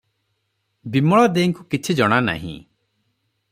ବିମଳା ଦେଈଙ୍କୁ କିଛି ଜଣା ନାହିଁ ।